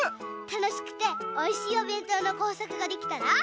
たのしくておいしいおべんとうのこうさくができたら。